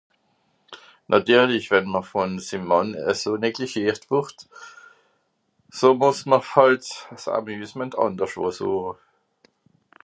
Nàtirlich, wenn m’r vùn sim Mànn eso neglischiert wùrd, ze muess m’r hàlt ’s Amusement àndersch wo sueche.